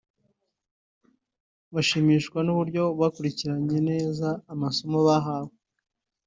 bashimishwa n’uburyo bakurikiranye neza amasomo bahawe